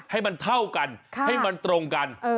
ให้มันเท่ากันให้มันตรงกัน